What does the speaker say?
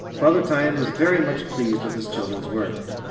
Father Time was very much pleased with his children's work.